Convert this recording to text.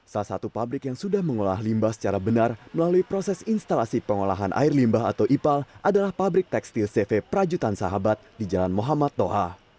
salah satu pabrik yang sudah mengolah limbah secara benar melalui proses instalasi pengolahan air limbah atau ipal adalah pabrik tekstil cv prajutan sahabat di jalan muhammad toha